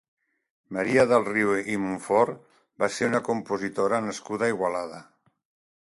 Maria del Rio i Montfort va ser una compositora nascuda a Igualada.